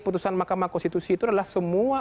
putusan mahkamah konstitusi itu adalah semua